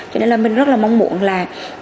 cho nên là mình rất là mong muốn là